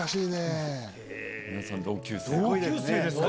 皆さん同級生か。